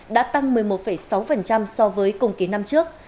đã tăng một mươi một sáu so với cùng kỳ năm trước